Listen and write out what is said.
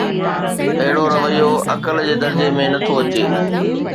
اهڙو رويو عقل جي درجي ۾ نه ٿو اچي.